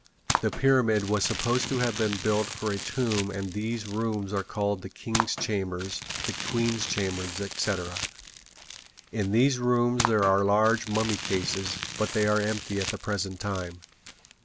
The pyramid was supposed to have been built for a tomb and these rooms are called the king's chamber, the queen's chamber, etc. In these rooms there are large mummy cases, but they are empty at the present time.